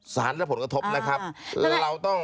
สารเป็นกระทบนะครับ